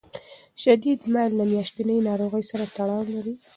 شدید میل د میاشتنۍ ناروغۍ سره تړاو لري.